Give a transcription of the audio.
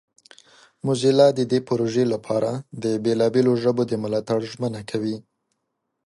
موزیلا د دې پروژې لپاره د بیلابیلو ژبو د ملاتړ ژمنه کوي.